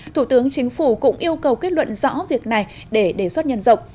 thủ tướng chính phủ cũng yêu cầu kết luận rõ việc này để đề xuất nhân dọc